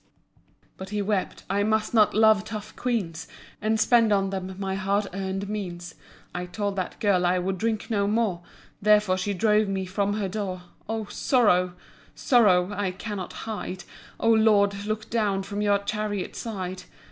But he wept "I must not love tough queens, And spend on them my hard earned means. I told that girl I would drink no more. Therefore she drove me from her door. Oh sorrow! Sorrow! I cannot hide. Oh Lord look down from your chariot side.